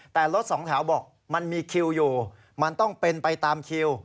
แต่รถสองแถวบอกมันมีคิวอยู่มันต้องเป็นไปตามคิว